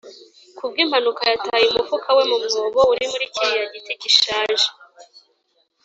ku bw'impanuka yataye umufuka we mu mwobo uri muri kiriya giti gishaje.